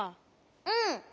うん。